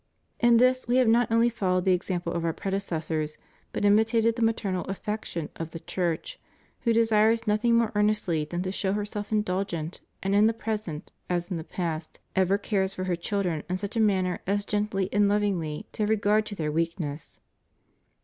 In this we have not only followed the example of Our predecessors, but imitated the maternal affection of the Church, who desires nothing more earnestly than to show herself indulgent, and, in the present, as in the past, ever cares for her children in such a manner as gently and lovingly to have regard to their weakness.